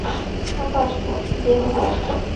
সাব্বাশ, Guinea!